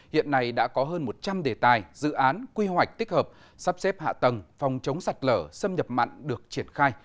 hiện nay đã có hơn một trăm linh đề tài dự án quy hoạch tích hợp sắp xếp hạ tầng phòng chống sạt lở xâm nhập mặn được triển khai